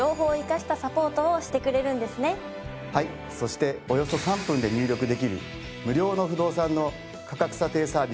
そしておよそ３分で入力できる無料の不動産の価格査定サービスもあります。